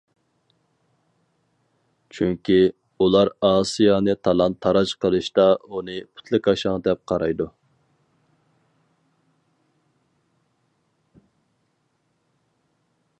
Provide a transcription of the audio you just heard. چۈنكى، ئۇلار ئاسىيانى تالان-تاراج قىلىشتا ئۇنى پۇتلىكاشاڭ دەپ قارايدۇ.